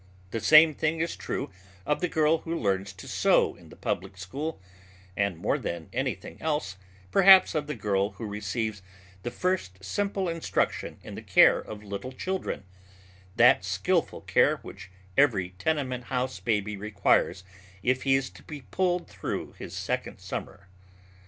The same thing is true of the girl who learns to sew in the public school, and more than anything else, perhaps, of the girl who receives the first simple instruction in the care of little children that skillful care which every tenement house baby requires if he is to be pulled through his second summer.